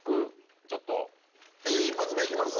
えっ一発目いきます？